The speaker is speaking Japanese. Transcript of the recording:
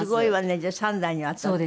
じゃあ３代にわたって。